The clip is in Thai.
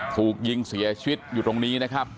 ถูกยิงเสียชีวิตอยู่ตรงนี้นะครับ